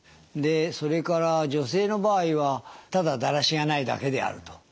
でそれから女性の場合はただだらしがないだけであると。